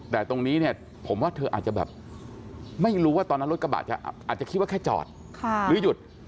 แต่ตรงนี้เนี่ยผมว่าเธออาจจะแบบไม่รู้ว่าตอนนั้นรถกระบะจะอาจจะคิดว่าแค่จอดหรือหยุด